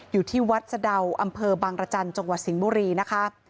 อยู่ที่วัดสะดาวอำเภอบางรจันทร์จังหวัดสิงห์บุรีนะคะ